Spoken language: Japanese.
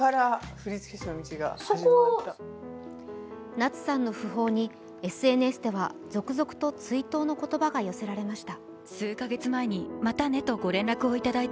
夏さんの訃報にＳＮＳでは続々と追悼の言葉が寄せられました。